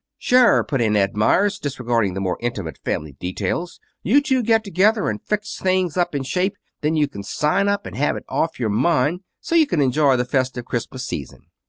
"Sure," put in Ed Meyers, disregarding the more intimate family details. "You two get together and fix things up in shape; then you can sign up and have it off your mind so you can enjoy the festive Christmas season."